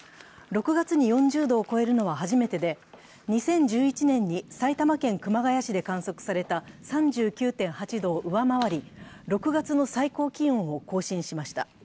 ６月に４０度を超えるのは初めてで２０１１年に埼玉県熊谷市で観測された３９．８度を上回り、６月の最高気温を更新しました。